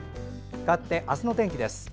かわって、明日の天気です。